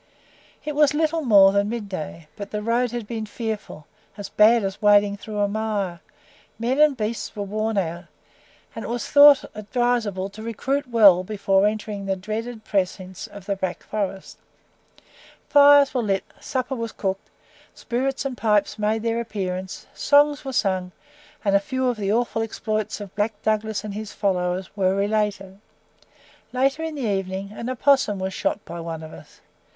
It was little more than mid day, but the road had been fearful as bad as wading through a mire; men and beasts were worn out, and it was thought advisable to recruit well before entering the dreaded precincts of the Black Forest. Fires were lit, supper was cooked, spirits and pipes made their appearance, songs were sung, and a few of the awful exploits of Black Douglas and his followers were related. Later in the evening, an opossum was shot by one of us.